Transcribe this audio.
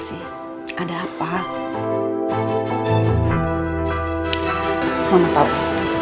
tadi mama konfirmasi ke restoran seru nih